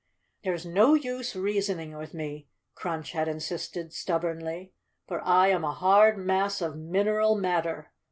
" There's no use reasoning with me," Crunch had in¬ sisted stubbornly, "for I am a hard mass of mineral matter.